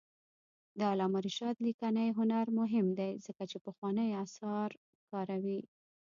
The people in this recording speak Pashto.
د علامه رشاد لیکنی هنر مهم دی ځکه چې پخواني آثار کاروي.